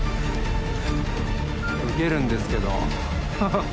ウケるんですけどハハっ。